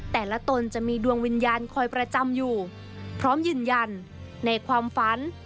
ตนจะมีดวงวิญญาณคอยประจำอยู่พร้อมยืนยันในความฝัน